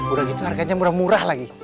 udah gitu harganya murah murah lagi